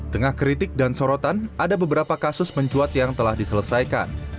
tengah kritik dan sorotan ada beberapa kasus mencuat yang telah diselesaikan